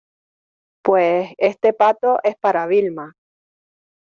pues este pato es para Vilma.